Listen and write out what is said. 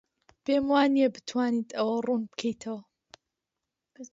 پێم وانییە بتوانیت ئەوە ڕوون بکەیتەوە.